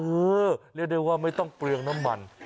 เรียกได้ว่าไม่ต้องเปลืองน้ำมัน